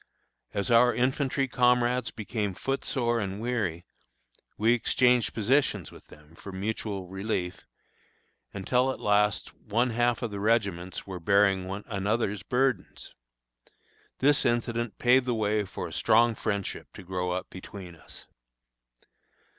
As our infantry comrades became foot sore and weary, we exchanged positions with them, for mutual relief, until at last one half of the regiments were bearing one another's burdens. This incident paved the way for a strong friendship to grow up between us.